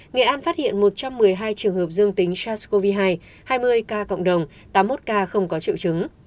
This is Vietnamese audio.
nghệ an phát hiện một trăm một mươi hai trường hợp dương tính sars cov hai hai mươi ca cộng đồng tám mươi một ca không có triệu chứng